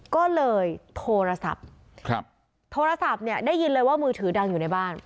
ก็เลยโทรศัพท์ครับโทรศัพท์เนี่ยได้ยินเลยว่ามือถือดังอยู่ในบ้าน